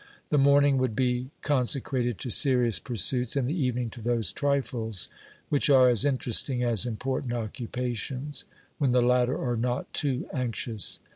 The morning would be conse crated to serious pursuits and the evening to those trifles which are as interesting as important occupations, when the latter are not too anxious.